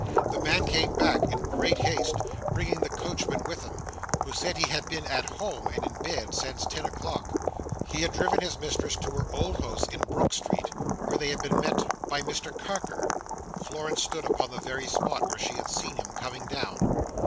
The man came back, in great haste, bringing the coachman with him, who said he had been at home and in bed, since ten o'clock. He had driven his mistress to her old house in Brook Street, where she had been met by Mr Carker— Florence stood upon the very spot where she had seen him coming down.